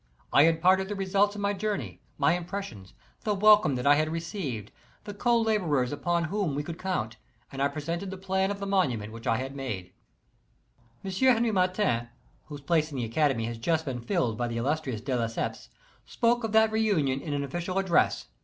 I imparted the results of my jour 'I ‚ñÝ 1* 1 } if i 1 ney, my impressions, the welcome that I had received, the co laborers upon whom we could count, and I pre sented the plan of the monument which I had made. M. Henri Martin (whose place in the Academy has just been filled by the illustrious De Lesseps) spoke of that reunion in an official address.